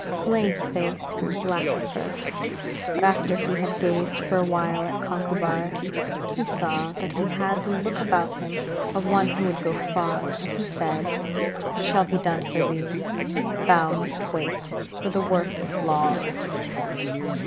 Culain's face grew black at first, but after he had gazed for a while at Conchubar, he saw that he had the look about him of one who would go far, and he said: 'It shall be done for thee, but thou must wait, for the work is long.'